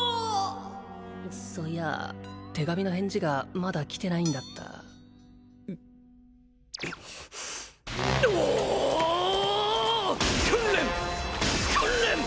そういや手紙の返事がまだ来てないんだったうおおおお！訓練訓練！